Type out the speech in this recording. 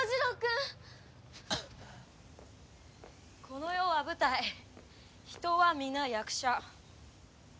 この世は舞台人はみな役者。